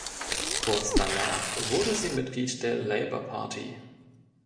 Kurz danach wurde sie Mitglied der Labour Party.